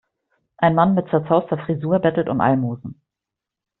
Ein Mann mit zerzauster Frisur bettelt um Almosen.